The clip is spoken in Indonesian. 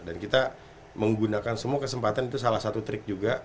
dan kita menggunakan semua kesempatan itu salah satu trik juga